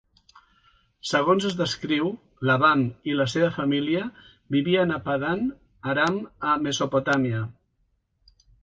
Segons es descriu, Laban i la seva família vivien a Paddan Aram, a Mesopotàmia.